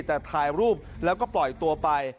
แต่ถ่ายรูปแล้วก็ปล่อยตัวไป